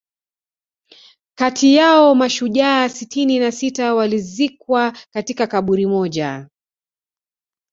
kati yao mashujaa sitini na sita walizikwa katika kaburi moja